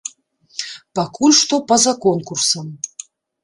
Пакуль што па-за конкурсам.